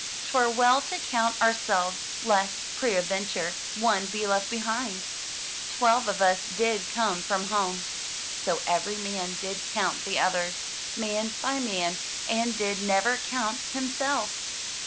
'* Twere well to count our selves, lest, peradventure, one be left behind! Twelve of us did come from home!" So every man did count the others, man by man, and did never count himself!